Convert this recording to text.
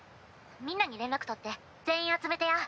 みんなに連絡取って全員集めてや。